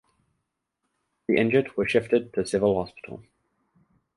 The injured were shifted to Civil Hospital.